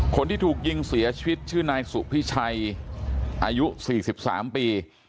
คนที่ถูกยิงเสียชีวิตชื่อนายสุพิชัยอายุ๔๓ปี